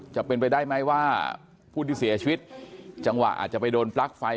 จะเป็นไปได้ไหมว่าผู้ที่เสียชีวิตจังหวะอาจจะไปโดนปลั๊กไฟ